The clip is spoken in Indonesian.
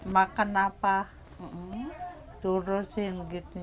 makan apa turusin gitu